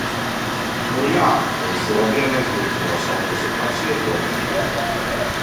Nujā, un šodienu es būtu nosaukusi par Ziedoņa dienu.